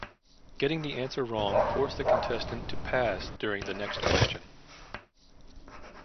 Getting the answer wrong forced the contestant to pass during the next question.